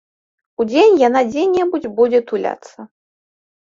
Удзень яна дзе-небудзь будзе туляцца.